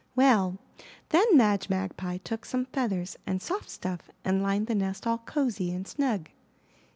Well , then Madge Magpie took some feathers and soft stuff and lined the nest all cozy and snug.